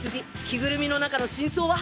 着ぐるみの中の真相は？